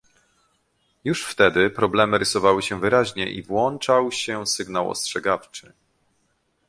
Już wtedy problemy rysowały się wyraźnie i włączał się sygnał ostrzegawczy